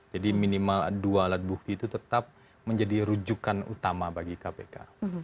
jadi minimal dua alat bukti itu tetap menjadi rujukan utama bagi kpk